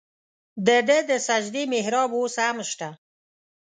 د ده د سجدې محراب اوس هم شته.